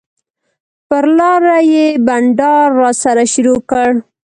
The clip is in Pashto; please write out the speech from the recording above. پر لاره یې بنډار راسره شروع کړ.